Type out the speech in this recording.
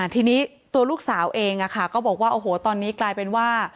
ทีนี้ตัวลูกสาวเองก็บอกว่าโอ้โหตอนนี้กลายเป็นว่า